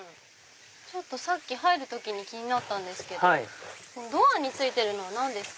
さっき入る時に気になったんですけどドアについてるのは何ですか？